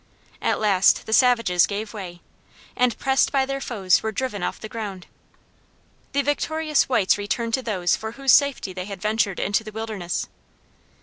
At last the savages gave way, and, pressed by their foes, were driven off the ground. The victorious whites returned to those for whose safety they had ventured into the wilderness.